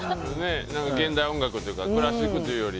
現代音楽というかクラシックというより。